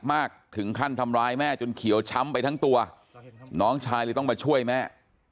มากถึงขั้นทำร้ายแม่จนเขียวช้ำไปทั้งตัวน้องชายเลยต้องมาช่วยแม่